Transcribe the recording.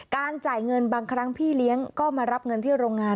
จ่ายเงินบางครั้งพี่เลี้ยงก็มารับเงินที่โรงงาน